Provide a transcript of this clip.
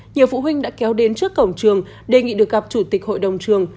nhiều phụ huynh đã kéo đến trước cổng trường đề nghị được gặp chủ tịch hội đồng trường